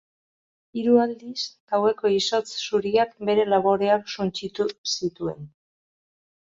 Hiru aldiz, gaueko izotz zuriak bere laboreak suntsitu zituen.